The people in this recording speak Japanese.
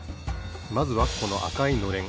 まずはこのあかいのれん。